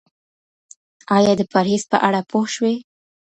ایا د پرهیز په اړه پوه شوئ؟